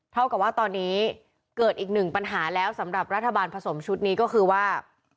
เท่ากับว่าตอนนี้เกิดอีกหนึ่งปัญหาแล้วสำหรับรัฐบาลผสมชุดนี้ก็คือว่า